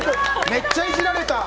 めっちゃイジられた！